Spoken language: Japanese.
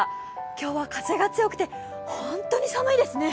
今日は風が強くて本当に寒いですね。